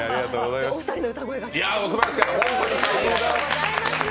いや、すばらしかった！